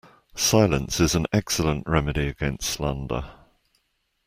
Silence is an excellent remedy against slander.